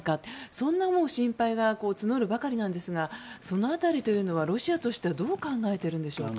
そんな心配が募るばかりなんですがその辺りはロシアとしてどう考えているんでしょうか。